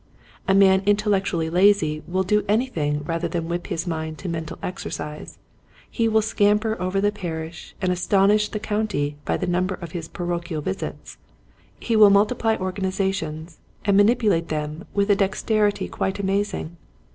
A man intellectually lazy will do anything rather than whip his mind to mental exercise. He will scamper over the parish and astonish the county by the number of his parochial visits. He will multiply organizations and manipu late them with a dexterity quite amazing.